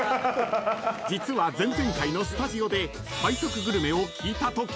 ［実は前々回のスタジオで背徳グルメを聞いたとき］